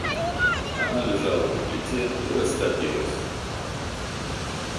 Она лежала на плите и растопилась.